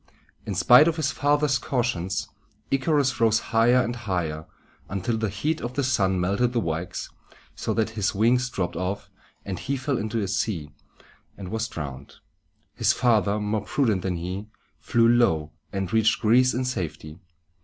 In spite of his father's cautions, Icarus rose higher and higher, until the heat of the sun melted the wax, so that his wings dropped off, and he fell into the sea and was drowned. His father, more prudent than he, flew low, and reached Greece in safety.